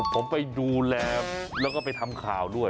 ผมไปดูแลแล้วก็ไปทำข่าวด้วย